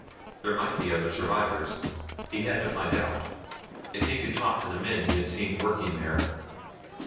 There might be other survivors. He had to find out. If he could talk to the men he had seen working there....